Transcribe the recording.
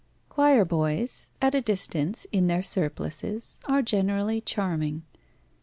X. Choir boys at a distance in their surplices are generally charming.